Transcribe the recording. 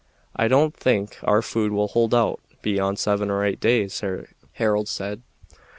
"I don't think our food will hold out beyond seven or eight days," Harold said.